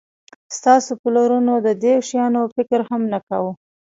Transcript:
ستاسو پلرونو د دې شیانو فکر هم نه کاوه